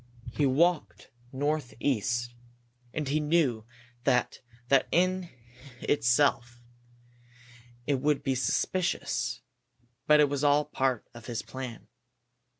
He walked northeast, and he knew that that in itself would be suspicious, but it was all part of his plan.